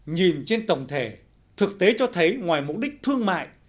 nhìn trên tổng thể thực tế cho thấy ngoài mục đích thương mại